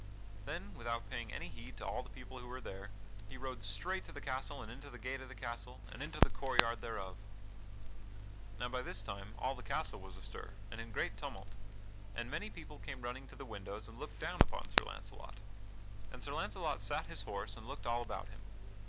Then, without paying any heed to all the people who were there, he rode straight to the castle and into the gate of the castle and into the court yard thereof. Now by this time all the castle was astir, and in great tumult, and many people came running to the windows and looked down upon Sir Launcelot. And Sir Launcelot sat his horse and looked all about him.